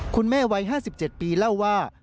คุณแม่วัย๕๗ปีเล่าว่า